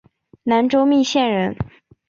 南州密县人。